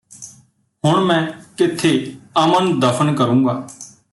ਹੁਣ ਮੈਂ ਕਿੱਥੇ ਅਮਨ ਦਫਨ ਕਰੂੰਗਾ